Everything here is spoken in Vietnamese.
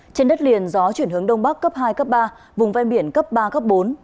trên đất liền gió chuyển hướng đông bắc cấp hai cấp ba vùng ven biển cấp ba cấp bốn